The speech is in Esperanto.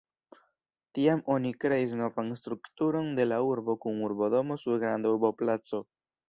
Tiam oni kreis novan strukturon de la urbo kun urbodomo sur granda urboplaco.